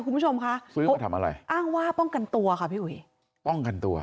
คุณผู้ชมคะซื้อทำอะไรอ้างว่าป้องกันตัวค่ะพี่อุ๋ยป้องกันตัว